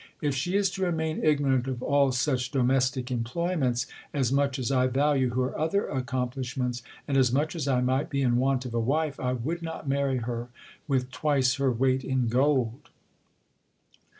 If she is to remain ignorant of all such domestic employments, as much as I value her other accomplishments, and as much as I might be in want of a wife, I would not marry her with twice her weight in gold.